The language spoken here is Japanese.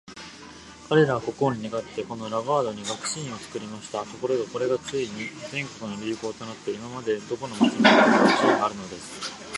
彼等は国王に願って、このラガードに学士院を作りました。ところが、これがついに全国の流行となって、今では、どこの町に行っても学士院があるのです。